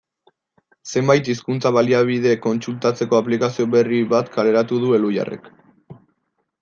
Zenbait hizkuntza-baliabide kontsultatzeko aplikazio berri bat kaleratu du Elhuyarrek.